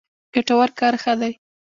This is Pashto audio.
ګټور کار ښه دی.